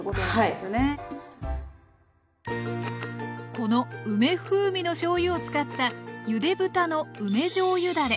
この梅風味のしょうゆを使ったゆで豚の梅じょうゆだれ。